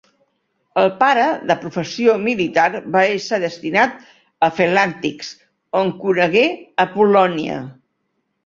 El pare, de professió militar, va ésser destinat a Felanitx on conegué Apol·lònia.